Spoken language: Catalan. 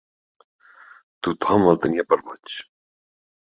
Tothom el tenia per boig.